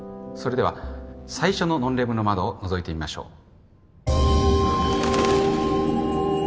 それでは最初の『ノンレムの窓』をのぞいてみましょう。